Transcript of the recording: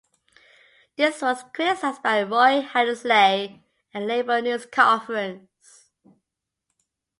This was criticised by Roy Hattersley at a Labour news conference.